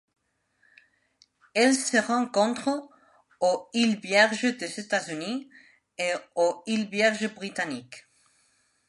Elle se rencontre aux îles Vierges des États-Unis et aux îles Vierges britanniques.